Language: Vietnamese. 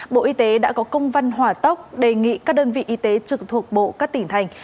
bộ y tế đã có công văn hỏa tốc đề nghị các đơn vị y tế trực thuộc bộ các tỉnh thành